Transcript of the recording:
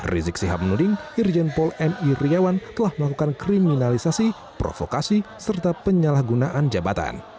rizik syihab menuding irjen pol mi riawan telah melakukan kriminalisasi provokasi serta penyalahgunaan jabatan